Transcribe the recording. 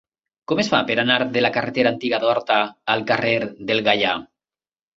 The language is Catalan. Com es fa per anar de la carretera Antiga d'Horta al carrer del Gaià?